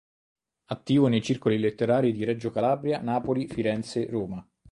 Attivo nei circoli letterari di Reggio Calabria, Napoli, Firenze, Roma.